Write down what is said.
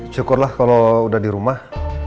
syukurlah kalau udah di rumah